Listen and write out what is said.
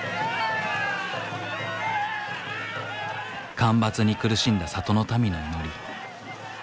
干ばつに苦しんだ里の民の祈り。